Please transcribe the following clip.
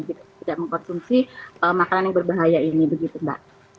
tidak mengkonsumsi makanan yang berbahaya ini begitu mbak